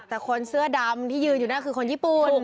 แต่คนเสื้อดำที่ยืนอยู่นั่นคือคนญี่ปุ่น